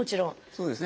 そうですね。